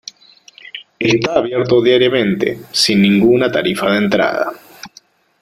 Está abierto diariamente, sin ninguna tarifa de entrada.